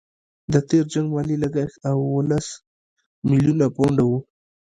د تېر جنګ مالي لګښت اوولس میلیونه پونډه وو.